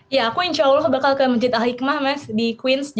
ya aku insya allah bakal ke masjid al hikmah mas di queens